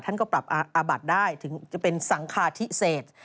ท่านก็ปรับอาบัติได้ถึงจะเป็นสังคาธิเศษ